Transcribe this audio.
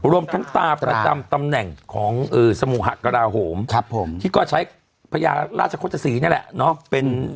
รวมทั้งตาประจำตำแหน่งของสมุหะกราโหมที่ก็ใช้พญาราชโฆษศรีนี่แหละเนาะ